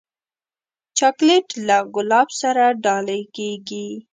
چاکلېټ له ګلاب سره ډالۍ کېږي.